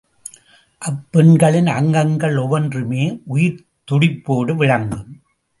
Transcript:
அப்பெண்களின் அங்கங்கள் ஒவ்வொன்றுமே உயிர்த் துடிப்போடு விளங்கும்.